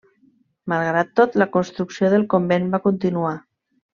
Malgrat tot, la construcció del convent va continuar.